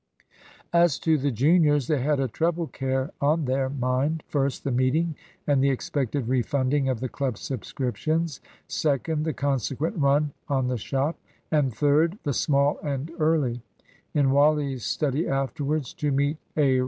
As to the juniors, they had a treble care on their mind. First, the meeting, and the expected refunding of the Club subscriptions; second, the consequent run on the shop; and third, the "small and early" in Wally's study afterwards to meet A.